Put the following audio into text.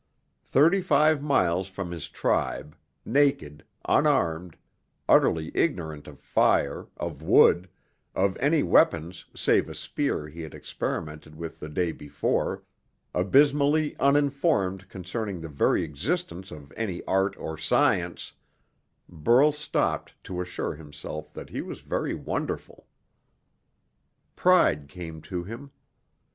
Thirty five miles from his tribe, naked, unarmed, utterly ignorant of fire, of wood, of any weapons save a spear he had experimented with the day before, abysmally uninformed concerning the very existence of any art or science, Burl stopped to assure himself that he was very wonderful. Pride came to him.